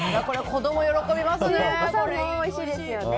子供喜びますね。